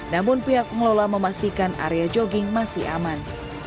namun pihak pengelola memastikan area jogging masih aman